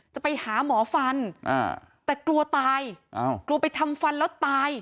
จะไปหาหมอฟันแต่กลัวตายกลัวไปทำฟันแล้วตาย